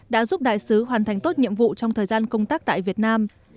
đã giúp đại sứ hoàn thành tốt nhiệm vụ trong thời gian công tác tại việt nam